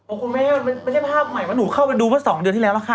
คุณแม่ไม่ใช่ภาพใหม่ว่าหนูเข้ามาดูเมื่อ๒เดือนที่แล้วล่ะค่ะ